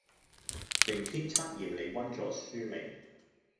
明天測驗你溫咗書未